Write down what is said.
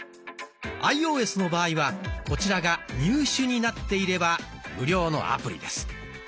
アイオーエスの場合はこちらが「入手」になっていれば無料のアプリです。